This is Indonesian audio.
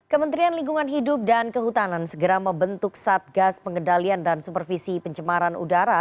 kementerian lingkungan hidup dan kehutanan segera membentuk satgas pengendalian dan supervisi pencemaran udara